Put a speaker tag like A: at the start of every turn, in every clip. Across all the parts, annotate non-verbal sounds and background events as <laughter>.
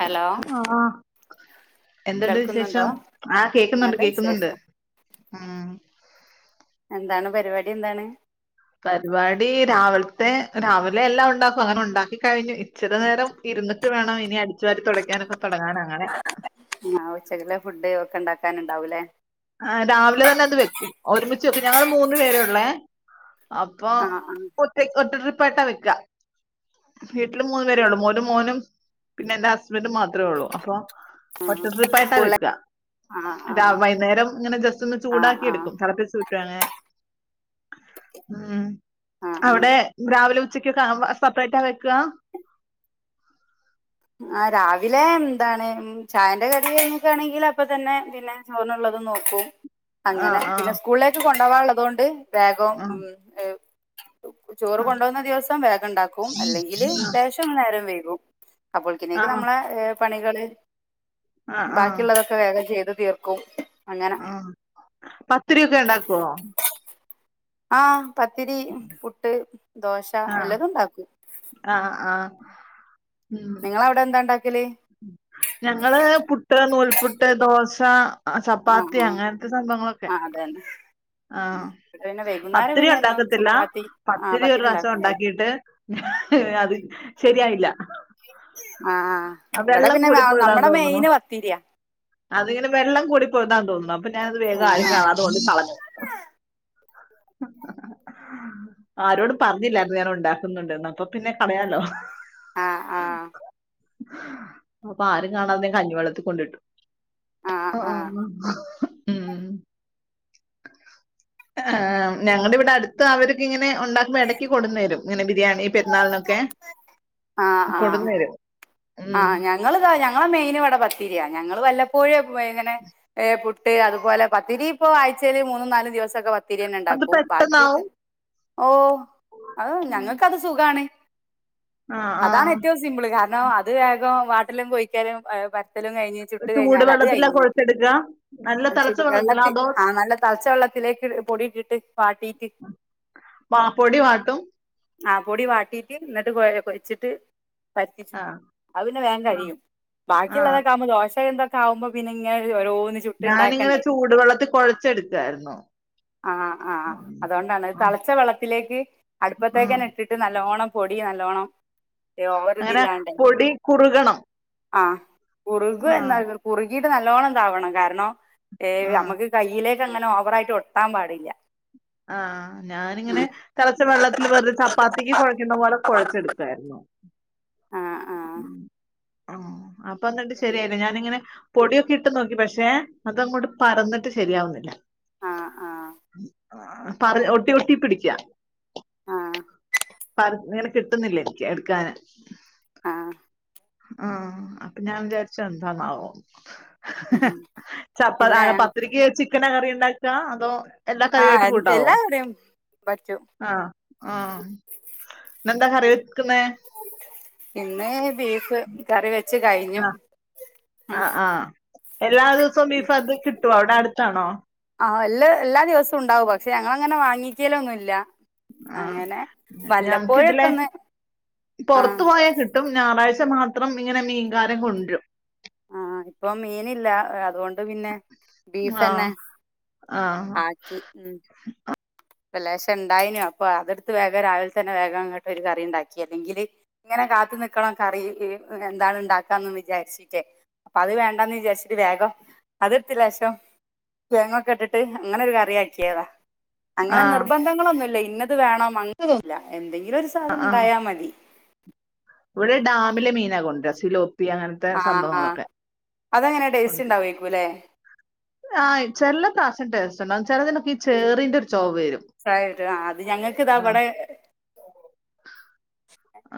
A: Hello
B: ആഹ് എന്ത്ണ്ട്
A: കേൾക്കുന്നുണ്ടോ
B: വിശേഷം ആ കേക്കുന്നുണ്ട്
A: നല്ല
B: കേക്കുന്നുണ്ട്
A: വിശേഷം
B: മ്മ്
A: എന്താണ് പരിവാടി എന്താണ്
B: പരിവാടി രാവിലത്തെ രാവിലെ എല്ലാം ഉണ്ടാക്കും അങ്ങനെ ഉണ്ടാക്കി കഴിഞ്ഞു ഇച്ചിരി നേരം ഇരുന്നിട്ട് വേണം ഇനി അടിച്ച് വാരി തൊടയ്ക്കാനൊക്കെ തൊടങ്ങാനങ്ങ
A: ആഹ് ഉച്ചക്കലെ ഫുഡ് ഒക്കെണ്ടാക്കാന് ഇണ്ടാവൂലേ
B: ആഹ് രാവിലെ തന്നെ അത് വെക്കും ഒരുമിച്ച് വെക്കും ഞങ്ങള് മൂന്ന് പേരെ ഒള്ളെ അപ്പൊ
A: ആ ആ ആ
B: ഒറ്റക്ക്‌ ഒറ്റ ട്രിപ്പായിട്ടാ വെയ്ക്കാ വീട്ടില് മൂന്ന് പേരേ ഉള്ളൂ ഒരു മോനും പിന്നെ എന്റെ ഹസ്ബൻറും മാത്രള്ളു അപ്പൊ ഒറ്റ ട്രിപ്പായിട്ടാ
A: സ്കൂളിലെ
B: വെയ്ക്ക
A: ആ ആ ആ
B: രാ വൈന്നേരം ഇങ്ങനെ ജസ്റ്റ് ഒന്ന്
A: ആ
B: ചൂടാക്കിയെടുക്കും
A: ആ
B: തെളപ്പിച്ച് ഊറ്റും അങ്ങനെ മ്മ്
A: ആ
B: അവിടെ രാവിലെ ഉച്ചക്കക്കെ സെപ്പറേറ്റ വെയ്ക്കാ
A: ആഹ് രാവിലെ എന്താണ് ഉം ചായന്റെ കടി കഴിഞ്ഞിട്ടാണെങ്കില് അപ്പതന്നെ പിന്നെ ചോറിനുള്ളത് നോക്കും അങ്ങനെ
B: ആഹ്
A: പിന്നെ
B: ആഹ്
A: സ്കൂളിലേക്ക് കൊണ്ടു പോവാനുള്ളതൊണ്ട് വേഗം
B: ആഹ്
A: ഉം എ ചോറ്
B: ആഹ്
A: കൊണ്ടുപോന്ന ദിവസം വേഗണ്ടാക്കും അല്ലെങ്കില് ലേഷം നേരം വൈകും അപ്പോൾക്കന്നേക്ക്
B: ആഹ്
A: നമ്മളെ പണികള്
B: ആഹ് ആഹ്
A: ബാക്കിയുള്ളത ക്കെ വേഗം ചെയ്ത് തീർക്കും അങ്ങനെ
B: ആഹ് പത്തിരിയൊക്കെ ഇണ്ടാക്കുവോ
A: ആഹ് പത്തിരി പുട്ട് ദോശ
B: ആഹ്
A: എല്ലതും ഉണ്ടാക്കും
B: ആഹ് ആഹ് ഉം
A: നിങ്ങളവിടെ എന്തായിണ്ടാക്കല്
B: ഞങ്ങള് പുട്ട് നൂൽപുട്ട് ദോശ ആ
A: ആഹ്
B: ചപ്പാത്തി
A: ആഹ്
B: അങ്ങനത്തെ സംഭങ്ങളൊക്കെ
A: ആഹ് അതന്നെ ഉം
B: ആഹ്
A: ഇവിടെ പിന്നെ വൈകുന്നേരം
B: പത്തിരി
A: പിന്നെ എന്നും
B: ഉണ്ടാക്കത്തില്ല
A: ചപ്പാത്തി ആഹ്
B: പത്തിരി ഒരു പ്രാശ്യം
A: ഉണ്ടാക്കും ആഹ്
B: ഉണ്ടാക്കിട്ട് അത് ശരിയായില്ല
A: ആഹ്
B: ആ,
A: ഇവിടെ
B: വെള്ളം
A: പിന്നെ നാം
B: കൂടിപ്പോയതാന്ന്
A: നമ്മടെ
B: തോന്നുണു
A: മെയിന് പത്തിരിയ
B: അതിങ്ങനെ വെള്ളം കൂടി പോയതാന്ന് തോന്നുന്നു അപ്പ ഞാനത് വേഗം
A: ആഹ്
B: ആരും കാണ കൊണ്ട് കളഞ്ഞ് ആരോടും പറഞ്ഞില്ലായിരുന്നു ഞാൻ ഒണ്ടാക്കുന്നുണ്ട്ന്ന് അപ്പപിന്നെ കളയാലോ
A: ആഹ് ആഹ്
B: അപ്പ ആരും കാണാതെ കഞ്ഞിവെള്ളത്തി കൊണ്ടിട്ടു
A: ആഹ് ആഹ് ആഹ്
B: ഉം. ഹാ ഞങ്ങടെ ഇവിടെടുത്ത് അവർക്കിങ്ങനെ ഒണ്ടാക്കുമ്പോ എടയ്ക്ക് കൊണ്ടുന്ന് തരും ഇങ്ങനെ ബിരിയാണി പെരുന്നാളി ക്കെ
A: ആഹ് ആഹ്
B: ഉം.
A: ആഹ് ഞങ്ങള് ഞങ്ങളെ മെയിന് ഇവിടെ പത്തിരിയാ ഞങ്ങള് വല്ലപ്പോഴേ ഇങ്ങനെ ഏഹ് പുട്ട് അതുപോലെ പത്തിരി ഇപ്പൊ ആഴ്ച്ചല് മൂന്നും നാല് ദിവസൊക്കെ പ ത്തിരിന്ന
B: അത്
A: ഇണ്ടാക്കും ബാക്കിയക്കെ
B: പെട്ടെന്നാവും
A: ഓ അത് ഞങ്ങക്കത് സുഖാണ്
B: ആ ആ
A: അതാണ് ഏറ്റവും സി സിമ്പിള് കാരണം അത് വേഗം വാട്ടിലും കൊയിക്കലും പ ത്തലും കഴിഞ്ഞ് ചുട്ട്
B: ചൂട്
A: കഴിഞ്ഞാലത്
B: വെള്ളത്തിലാ
A: കഴിഞ്ഞ്
B: കുഴച്ചെടുക്കുക നല്ല
A: ആ
B: തിളച്ച
A: ചുടു
B: വെള്ളത്തിലാ
A: വെള്ളത്തി
B: അതോ
A: ആഹ് നല്ല തെളച്ച വെള്ള ത്തിലേക്ക് പൊടിയൊക്കെട്ട് വാട്ടീട്ട്
B: പാ പൊടി വാട്ടും
A: ആഹ് പൊടി വാട്ടീട്ട് എന്നിട്ട് കൊഴ കൊയച്ചിട്ട് പരത്തിച്ചു
B: ആ
A: അത് പിന്നെ വേൻ
B: ആ,
A: കഴിയും
B: ആ
A: ബാക്കിയുള്ളതൊക്കെ ആവുമ്പോ ദോശന്തൊക്കെ ആവുമ്പോ പിന്നെ ഓരോന്ന്
B: ഞാനിങ്ങനെ
A: ചുട്ട്ണ്ടക്കണ്ടെ
B: ചൂടുവെള്ളത്തിൽ കുഴച്ചെടുക്കായിരുന്നു
A: ആഹ് ആഹ്
B: ഉം,
A: അതൊണ്ടാണ്
B: ഉം,
A: തെളച്ച വെള്ളത്തിലേക്ക്
B: ഉം.
A: അടുപ്പത്തേക്കന്ന ഇട്ടിട്ട് നല്ലോണം പൊടി നല്ലോണം ഓവർ
B: അങ്ങനെ
A: ദില്ലാണ്ടെ
B: പൊടി കുറുകണം
A: ആഹ്
B: ആ
A: കുറുകുന്നാ കുറുകിട്ട് നല്ലവോണം ഇതാവണം കാരണം ഏഹ്
B: ആഹ്
A: നമുക്ക് കയ്യിലേക്ക് അങ്ങനെ ഓവറായിട്ട് ഒട്ടാൻ പാടില്ല
B: ആഹ് ഞാനിങ്ങനെ തളച്ച വെള്ളത്തില് വെറുതെ ചപ്പാത്തിക്ക് കുഴയ്ക്കുന്ന പോലെ കുഴച്ചെടുത്തയിരുന്നു
A: ആഹ് ആഹ്
B: ആഹ് അപ്പൊന്നിട്ട് ശരിയയില്ല ഞാനിങ്ങനെ പൊടിയൊക്കെ ഇട്ട് നോക്കി പക്ഷെ അതങ്ങോട്ട് പറന്നിട്ട് ശരിയാവുന്നില്ല
A: ആഹ് ആഹ്
B: ആഹ് പറി ഒട്ടി ഒട്ടി പിടിക്കാ
A: ആഹ്
B: പറ ഇങ്ങനെ കിട്ടുന്നില്ല എനിക്ക് എടുക്കാന്
A: ആഹ്
B: ആഹ് അപ്പൊ ഞാൻ വിചാരിച്ച എന്താന്നാവോ
A: ഉം
B: ചപ്പ
A: ഇല്ല
B: അന പത്രിക്ക് ചിക്കന കറിണ്ടാക്ക അതോ?
A: ആ
B: <unintelligible> കൂട്ടാവോ
A: എല്ലാ കറിയും പറ്റും
B: ആഹ് ആഹ് ഇന്നെന്താ കറിവക്കുന്നേ?
A: ഇന്ന് ബീഫ് കറി വെച്ച് കഴിഞ്ഞു
B: ആഹ്
A: ഉം.
B: ആഹ് ആഹ് എല്ലാ ദിവസവും ബീഫ് അത് കിട്ടുവോ അവിടെ അടുത്താണോ?
A: ആഹ് എല്ല എല്ലാ ദിവസവും ഉണ്ടാവും പക്ഷെ ഞങ്ങളങ്ങനെ വാങ്ങിക്കല ഒന്നുല്ല.
B: ആഹ് ഞങ്ങക്ക്തിലെ
A: ഒന്ന് ആ
B: പുറത്തു പോയ കി ട്ടും ഞായറാഴ്ച മാത്രം ഇങ്ങനെ മീൻകാരൻ കൊണ്ടരും.
A: ആഹ് ഇപ്പൊ മീനില്ല അതുകൊ പിന്നെ
B: ആഹ്
A: ബീഫ്ന്നെ
B: ആഹ്
A: ആക്കി ലെശം ഉണ്ടയ്നി അപ്പൊ അതെടുത്ത് വേഗം രാവിലെ തന്നെ വേഗം അങ്ങോട്ട് ഒരു കറി ഉണ്ടാക്കി അല്ലെങ്കില് ഇങ്ങനെ കാത്തു നിക്കണം കറി എന്താണ് ഉണ്ടാക്കാന്ന് വിചാരിച്ചിട്ടേ. അപ്പ അത് വേണ്ടാന്ന് വിചാരിച്ചിട്ട് വേഗം അത്ടുത് ലേശം തേങ്ങൊക്കെ ഇട്ടിട്ട് അങ്ങനെ ഒരു കറിയക്കിയതാ അങ്ങനെ
B: ആഹ്
A: നിർബന്ധങ്ങളൊന്നുല്ല ഇന്നത് വേണം അങ്ങനൊന്നുല്ല എന്തെങ്കിലും ഒരു സാധനം
B: ആഹ്
A: ഉണ്ടായാ മതി.
B: ഇവിടെ ഡാമിലെ മീനാക്ക കൊണ്ടര സിലോ
A: ആഹ് ആഹ് അതെങ്ങനെ ടേസ്റ്റ്
B: കൊണ്ട്
A: ഉണ്ടാവേക്കുല്ലേ?
B: ആഹ് ചില പ്രാഷം ടേസ്റ്റ് ഉണ്ടാകും ചിലതിനൊക്കെ ഈ ചേറിന്റെ ഒരു ചൊവരും
A: അത് ഞങ്ങൾക്ക് ഇതാ വടെ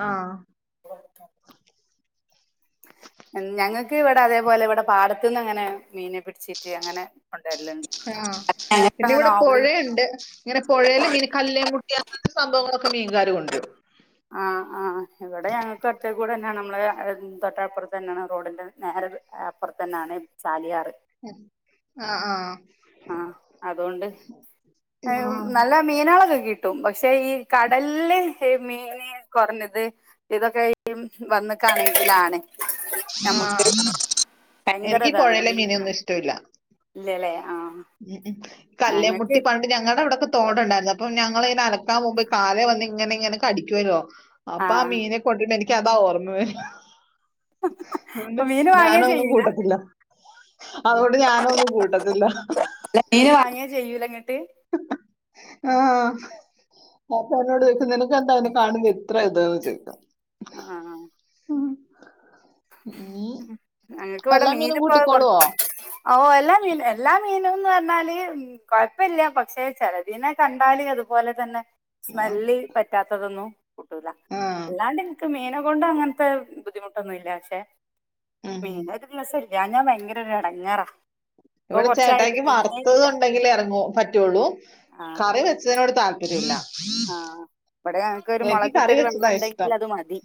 B: ആഹ്
A: ഞങ്ങക്ക് ഇവിടെ അതേപോലെ ഇവിടെ പാടത്തു നിന്ന് അങ്ങനെ മീനെ പിടിച്ചീട്ട് അങ്ങനെ കൊണ്ടാരിലുണ്ട്.
B: ആഹ് പിന്ന ഇവിടെ പുഴയുണ്ട്. ഇങ്ങനെ പുഴൽ മീന കല്ലേയും മുട്ടി അങ്ങത്തെ സംഭവങ്ങളൊക്കെ മീൻകാര് കൊണ്ടരും.
A: ആഹ് ആഹ് ആ ഇവിടെ ഞങ്ങൾക്ക് അടുത്തേ കൂടെ തന്നെയാണ് നമ്മള് തൊട്ടപ്പുറത്ത് തന്നെയാണ് റോഡിന്റെ നേരെ അപ്പുറത്ത്ന്നെയാണ്. ചാലിയാറ്
B: ആഹ് ആഹ്
A: ആഹ് അതുകൊണ്ട്
B: ആഹ്
A: നല്ല മീനാളക്കെ കി കിട്ടും പക്ഷെ ഈ കടല്ല് മീൻ കുറഞ്ഞത് ഇതൊക്കെ വന്ന കാണെങ്കിലാണ് നമുക്ക്
B: ആഹ് എനിക്ക് ഈ
A: ഭയങ്കരതാണ്
B: പൊഴേലെ
A: മീൻ
B: മീനൊന്നും ഇഷ്ടവില്ല
A: ഇല്ലല്ലേ ആഹ്
B: ഉം കല്
A: ഞങ്ങൾക്ക്
B: മുട്ടി പണ്ട് ഞങ്ങളുടെ അവിടെ തോട്ടണ്ടായിരുന്നു അപ്പൊ ഞങ്ങതിന അലക്കാൻ പോവുമ്പോ കാല വന്ന് ഇങ്ങനെ ഇങ്ങനെ കടിക്കുവല്ലോ അപ്പൊ ആഹ് മീന ണ്ട എനിക്കതാ ഓർമ്മേ അതുകൊണ്ട്
A: അപ്പൊ മീന്
B: ഞാന
A: വാങ്ങേ
B: അത്ഒന്നും
A: ചെയ്യൂല
B: കൂട്ടത്തില്ല. അതുകൊണ്ട് ഞാനൊന്നും കൂട്ടത്തില്ല.
A: മീന് വാങ്ങിയ ചെയ്യൂലങ്ങോട്ട്.
B: ആഹ് <unintelligible> എന്താ അതിനെ കാണമ്പ ത്ര ഇത്ന്ന് ചോദിക്കും.
A: ആഹ്
B: ഉം. നീ
A: ഉം ഞങ്ങൾക്ക് ഇവിടെ
B: എല്ലാ
A: മീൻ
B: മീനും
A: ഇപ്പ കൊറ
B: കൂട്ടിക്കോളുവോ
A: ഓ എല്ലാ മീൻ എല്ലാം മീനുംന്ന് പറഞ്ഞാല് കൊഴപ്പല്ല പക്ഷെ ചെലതിനനെ കണ്ടാല അതുപോലെ തന്നെ.
B: ആ
A: സ്മെല്ല് പറ്റാത്തതൊന്നും കൂട്ടൂല
B: ആ,
A: അല്ലാണ്ട് നിക്ക് മീന കൊണ്ട് അങ്ങനെ ത്തെ ബുദ്ധിമുട്ടൊന്നുമല്ല പക്ഷെ
B: ഉം.
A: മീന് ഒരു ദിവസം ഇല്ല ഞാൻ ഭയങ്കര ഇടങ്ങോറാ.
B: ഇവിടെ ചേട്ടയ്ക്ക് വറുത്തത് ഉണ്ടെങ്കിൽ ഇറങ്ങ പറ്റുള്ളൂ
A: ആഹ്
B: കറി വെച്ചതിനോട് താല്
A: ആഹ് ഇവിടെ ഞങ്ങക്ക് ഒരു
B: എനിക്ക് കറി
A: മുളകിട്ടൊരു
B: വെച്ചതാ
A: വെള്ളം
B: ഇഷ്ടം.
A: ഉണ്ടെങ്കിൽ അത് മതി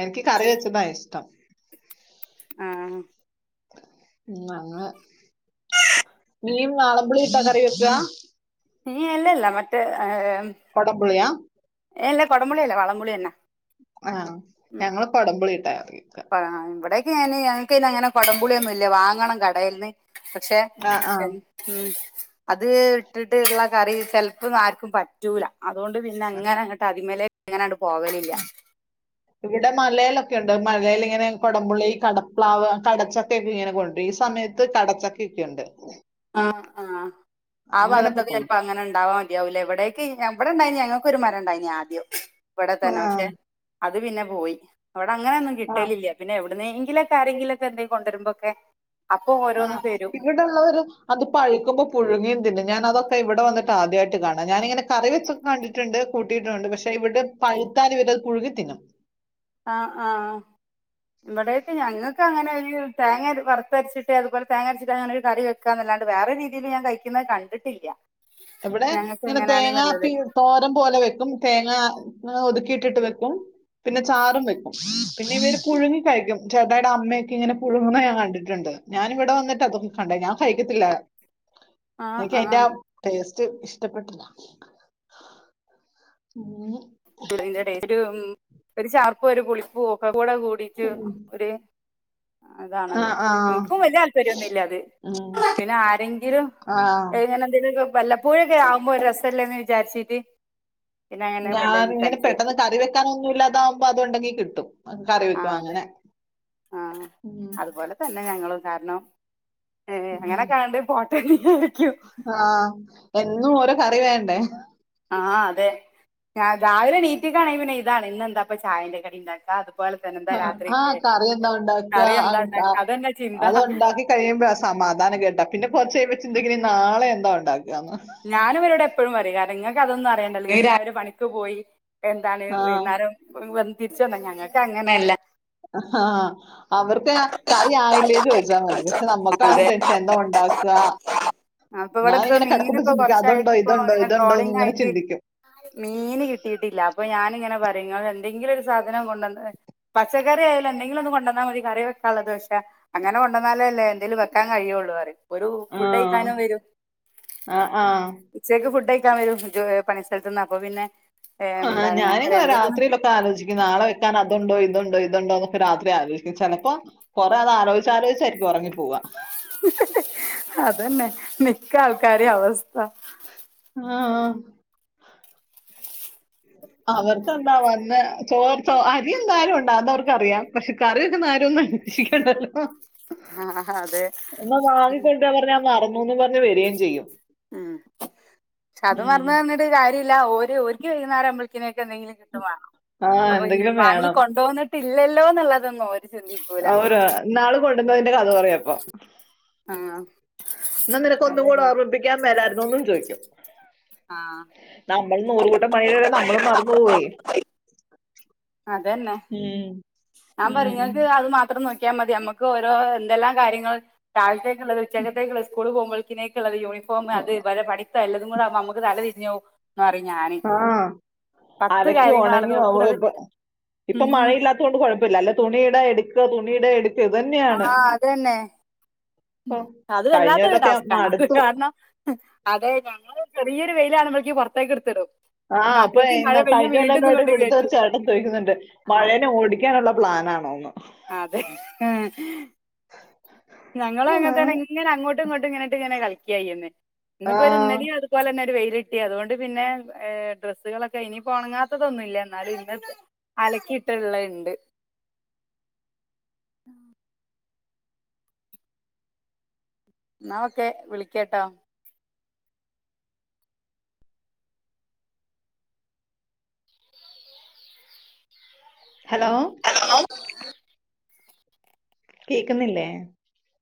B: എനിക്ക് കറി വെച്ചതാ ഇഷ്ടം.
A: ആഹ്
B: ഉം <unintelligible> മീൻ വാളളമ്പുളി ഇട്ടാ കറി വെക്കാ?
A: നീ അല്ല ല്ല മറ്റേ ഹാ.
B: കൊടമ്പുളിയ?
A: എല്ല കുടപുള്ളിയല്ല, വളൺപുളിയ.
B: ആ
A: ഉം
B: ഞങ്ങള് കൊടംപുളി ഇട്ടാ കറി വെക്കുക
A: പറ ഇവിടെക്കന ഞന് - ന്ന് അങ്ങനെ കൊടംപുളിയൊന്നും, ഇല്ല വാങ്ങണം കടയിൽ നിന്ന് പക്ഷെ,
B: ആ ആ
A: ഉം അത് ഇട്ടിട്ട്ള്ള കറി ചെലപ്പ- ആർക്കും പറ്റൂല അതുകൊണ്ട്- ഇങ്ങനെങ്ങട്ട് അതിമലക്ക്ങ്ങനണ്ട് പോവലില്ല.
B: ഇവിടെ മലയിലൊക്കെ ഉണ്ട് മലൽ ഇങ്ങനെ കൊടമ്പുള്ളി കടപ്ലാവ്, കടച്ചൊക്കെൊക്കെ ഇങ്ങനെ- കൊണ്ട് ഈ സമയത്ത്- അത് കടച്ചാക്കി ഒക്കെ ഉണ്ട്.
A: ആഹ, ആഹ, ആഹാ
B: അങ്ങനൊക്കെ
A: ഭാഗത്തൊക്കെ ചിലപ്പോ
B: കൊണ്ടുവരും
A: അങ്ങനെ ഉണ്ടാവാൻ പറ്റ- അവേ എവിടേക്ക് എവിടെ ഇണ്ടായിന് ഞങ്ങൾക്ക് ഒരു മരം- ഉണ്ടായിനീ ആദ്യം ഇവിടെ
B: ആ
A: തന്നെ പക്ഷെ- അത് പിന്നെ പോയി അവിടെ- അങ്ങനെന്നും
B: ആ
A: കിട്ടലില്ല. പിന്നെ, എവിടുന്നെങ്കിലൊക്കെ- ആരെങ്കിലൊക്കെന്തങ്കും- കൊണ്ടുവരുമ്പോക്കെ.
B: ആഹ ഇവിടല്ലോരും. അത് പഴക്കുമ്പോ പുഴുങ്ങിയും തിന്നും ഞാൻ അതൊക്കെ ഇവിടെ വന്നട്ട് ആദ്യമായിട്ട് കാണാം. ഞാനിങ്ങനെ കറി വെച്- കണ്ടിട്ടുണ്ട് കൂട്ടിയിട്ടുണ്ട് പക്ഷെ, ഇവിടെ പഴുത്താ ഇവരത് പുഴുങ്ങട്ടു ത്തിന്നും.
A: ആഹ, ആഹ, ഇവിടേക്ക് ഞങ്ങൾക്ക് അങ്ങനെ ഒരു തേങ്ങ വറുത്തരച്ചിട്ടേ, അതുപോല തേങ്ങരച്ചിട്ട് അങ്ങനെ ഒരു കറിവെക്കും. കക്കാന്നല്ലാണ്ട് വേറെ രീതിയി- ഞാൻ കഴിക്കുന്നത് കണ്ടിട്ടില്ല.
B: എവിടെ
A: ഞങ്ങൾക്ക്
B: ഇങ്ങനെ
A: എങ്ങനെയാണെന്നുള്ളത്
B: തേങ്ങാപ്പീ- തോരം പോലെ വെക്കും തേങ്ങ- ഒതുക്കിയിട്ടിട്ട് വെക്കും, പിന്നെ ചാറും വെക്കും. പിന്നെ ഇവര് പുഴുങ്ങി കഴിക്കും. ചേട്ടായടെ അമ്മൊക്കെ ഇങ്ങനെ പുഴുങ്ങണ ഞാൻ കണ്ടിട്ടുണ്ട്. ഞാൻ ഇവിടെ വന്നിട്ട്തൊക്കെ കണ്ട ഞാൻ കഴിക്കത്തില്ല.
A: <inaudible> ആ
B: <unintelligible> ടേസ്റ്റ് ഇഷ്ടപ്പെട്ടില്ല ഉം.
A: ഇതിന്റെ ടേസ്റ്റ ഒരു ചാർപ് ഒരു പൊളിപ് ഒക്കെ കൂടെ കൂ- പഠിച്ചു
B: ഉം.
A: ഒ-
B: ആ
A: അതാണല്ലോ
B: ആ
A: നിക്കും വലിയ- താല്പര്യന്നുല്ല അത്
B: ഉം.
A: പിന്നെ, ആരെങ്കിലും-
B: ആ
A: എങ്ങനെ എന്തെങ്കിലൊക്കെ വല്ല പുഴൊക്കെ ആവുമ്പോ ഒരു രസമല്ലേന്ന് വിചാരിച്ചീട്ട്-
B: ഞാൻ ഇങ്ങനെ പെട്ടെന്ന് കറി- വെക്കാനൻ ഒന്നും ഇല്ലാതാവുമ്പോ അത്, ഉണ്ടെങ്കി കിട്ടും. കറി
A: ആ
B: വെക്കും,
A: അതെ
B: അങ്ങനെ
A: ആ
B: ഉ.
A: അതുപോലെ തന്നെ ഞങ്ങളും കാരണം ഹേ അങ്ങനെക്കണ്ട് പോട്ടന്ന് വിചാരിക്കും.
B: ആഹാ എന്നും ഓരോ കറി വേണ്ടേ.
A: ആഹ് അതെ ഞാൻ രാവിലെ നീറ്റി- കാണെ പിന്നെ ഇതാണ് ഇന്നെന്താപ്പ ചായന്റെ കടി ഉണ്ടാക്കാ, അങ്ങനെ. ഇപോലെ തന്നെ എന്താ
B: ആ
A: രാത്രി
B: ആ കറി എന്താ ഉണ്ടാക്കുക
A: കറി
B: ആ,
A: എന്താണ്ട
B: ക-
A: അതന്നെ ചിന്ത.
B: അത് ഉണ്ടാക്കി കഴിയുമ്പോ ആ സമാധാനം കേട്ടാ, പിന്നെ പുറച്ച കഴപ്പ ചിന്തക്കണ നാളെ എന്താ ഉണ്ടാക്കുകന്നാ.
A: ഞാനും ഇര ഇവിടെ എപ്പോഴും വര കാരണം നിങ്ങൾക്ക് അതൊന്നും അറിയണ്ടല്ല, രാവിലെ പണിക്ക് പോയി എന്താണ്
B: ആ
A: വുന്നേരം. വ തിരിച്ച് വതന്നാ, ഞങ്ങൾക്ക് അങ്ങനെയല്ല.
B: ആഹ അവർക്ക് കറി ആയില്ലേ, ചോദിച്ചാൽ മതി പക്ഷെ, നമ്മുക്കാണ് ടെൻഷൻ എന്താ ഉണ്ടാക്കുക.
A: അപ്പൊ ഇവിടെ
B: ഞാന
A: ഇപ്പ
B: ഇങ്ങനെ
A: മീന്
B: കെടക്കുമ്പ -
A: ഇപ്പൊ
B: ചിന്തിക്കും
A: കൊറച്ചായിട്ട്
B: അതുണ്ടോ,
A: ഇപ്പൊ
B: ഇതുണ്ടോ,
A: ഇങ്ങനെ
B: ഇതുണ്ടോ, എന്ന്
A: ട്രോളിംഗ്
B: ഇങ്ങനെ.
A: ആയിട്ട്
B: ചിന്തിക്കും
A: മീന് കിട്ടിട്ടില്ല അപ്പോ ഞാനിങ്ങനെ, പറയ എന്തെങ്കിലും ഒരു സാധനം കൊണ്ടന്ന്. പച്ചക്കറി ആയാലോ, എന്തെങ്കിലും ഒന്ന് കൊണ്ട വന്നാൽ മതി കറി വെക്കാഉള്ളതൊക്കെ. അങ്ങനെ കൊണ്ടന്നാല അല്ലേ, എന്തേലും വെക്കാൻ കഴുവുള്ളൂ അറിയാ. ഒരു
B: ആ
A: ഫുഡ് കഴിക്കാനോ വരൂ.
B: ആ ആ
A: ഉച്ചക്ക് ഫുഡ് കഴക്കാൻ വരും, പണിസ്ഥത്തുനിന്ന് അപ്പോ പിന്നെ എന്താണ്, എന്തന്ന്-
B: ആലോക്കും നാളെ വെക്കാൻ- അതുണ്ടോ, ഇതുണ്ടോ, ഇതുണ്ടോ എന്നൊക്കെ രാത്രി ആലോചിക്കും. ചിലപ്പോ- കൊറേ അത ആലോയി- ആലോചിച്ചായിരിക്കും ഉറങ്ങി പോവാ.
A: അതന്നെ മിക്ക ആൾക്കാരുടെ അവസ്ഥ.
B: ആഹ്.. അവർക്കെന്താ വന്ന് ചോർ ചോ അരി എന്തായാലും ഉണ്ടാന്ത അവർക്ക് അറിയാം പക്ഷെ കറി വെക്കെ ആരും ഒന്നും അന്വേഷിക്കേണ്ടല്ലോ-
A: ആഹ് അതെ
B: എന്നാ വാങ്ങിക്കൊണ്ട് പറഞ്ഞാ മറന്നൂന്ന് പറഞ്ഞ് വരയും ചെയ്യും.
A: ഉം. അത്
B: ഉം.
A: മറന്നുറഞ്ഞിട്ടാകാര്യല്ല ഒരു ഒരിക്ക് കഴുന്നേര ആരംമ്പളിക്കിനൊക്കെ എന്തെങ്കിലും കിട്ടും വേ-
B: ആ
A: അപ്പൊ ഞാൻ
B: എന്തെങ്കിലും
A: വാങ്ങി
B: വേണം
A: കൊണ്ട വന്നിട്ടില്ലല്ലോന്നുള്ളതൊന്നും ഓൽ
B: ഔര ഇനാളി കൊണ്ടുവന്നോതിന്റെ കഥ പറയപ്പൊ.
A: ആഹ്
B: എന്നാ നിനക്ക് ഒന്നും കൂടെ
A: അതന്നെ
B: ഓർമ്മിപ്പിക്കാൻ മേലായിരുന്നൊന്നും ചോയിക്കും.
A: ആഹ്
B: നമ്മള് നൂറൂകൂട്ടം പണിടെ നമ്മളും മറന്നു പോവേ
A: അതന്നെ.
B: ഉം.
A: ഞാൻ
B: ഉം.
A: പറഞ്ഞൾക്ക് അത് മാത്രം നോക്കിയാ മതി നമ്മക്ക് ഓരോ എന്തെല്ലാം കാര്യങ്ങള് തഴ്ത്തേ അത് <unintelligible> ചച്ചകതക സ്കൂൾ പോൾക്പിനേക്ക്ള്ള്ത് യൂണിഫോം അത്
B: ഉം.
A: വരെ പണി ല്ലതുംകുടെ നമക്ക് തല തിരിഞ്ഞോം. എന്നറയും ഞാന്
B: ആഹ്
A: പത്ത്
B: അലക്കി
A: കാര്യങ്ങളാണ് നോക്കുന്നത്
B: ഒണങ്ങിവരുമ്പഴ്തെ ഇപ്പൊ
A: ഉം.
B: മഴയില്ലാ ത്തോണ്ട് കുഴപ്പില്ല അല്ലെ തുണിയിട എടുക്ക തുണിയിട എടുക്ക ഇത് തന്നെയാണ്.
A: ഉം
B: ഇപ്പൊ
A: അത്
B: കഴിഞ്ഞ
A: വല്ലാത്തൊരു
B: കൊല്ലൊക്കെ
A: ടാസ്ക് ആണ്
B: മടുത്തു
A: കാരണം അതെ ഞങ്ങള് ചെറിയൊരു വെയില കാണ്പോളക്ക് പുറത്തേക്ക് എടുത്തിടും.
B: ആഹ്
A: പിന്നെ
B: അപ്പൊ ഇ
A: അപ്പോഴേക്കും മഴ പെയ്യും
B: കഴിഞ്ഞ
A: വീണ്ടും
B: കൊല്ലനോട്
A: കൊണ്ട്
B: ഇവിടുത്തെരു
A: കയറ്റും
B: ചേട്ടൻ ചോയിക്കുന്നുണ്ട്
A: ആ
B: മഴേന ഓടി ടിക്കാനുള്ള പ്ലാനാണോന്ന്.
A: അതെ ഞങ്ങള് അങ്ങെ തന്നെ- ഇങ്ങനെ അങ്ങോട്ടും ഇങ്ങോട്ടും ഇങ്ങോട്ട് ഇങ്ങനെ കളിക്കായിന്നേ
B: ആ
A: ഇങ്ങ്ക്ക് രു <unintelligible> ഇലി ഇതുപോലെ തന്നെ ഒരു വെയിലിട്ടി അതുകൊണ്ട് പിന്നെ ഡ്രസ്സുകളൊക്കെ ഇനി പോണങ്ങാത്തതൊന്നും ഇല്ല എന്നാലു ഇന്ന് അലക്കിയിട്ടുള്ള ഉണ്ട്. ആഹ് എന്നാ ഒക്കെ വിളിക്കേട്ടോ.
B: ഹലോ
A: ഹലോ..
B: കേക്ക്ന്നില്ലേ?